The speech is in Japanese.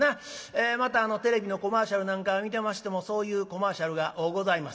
またテレビのコマーシャルなんか見てましてもそういうコマーシャルが多うございます。